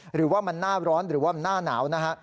หรือว่ามันหน้าร้อนหรือว่าหน้าหนาวนะฮะ